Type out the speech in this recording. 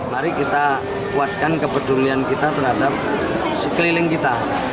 mari kita kuatkan kepedulian kita terhadap sekeliling kita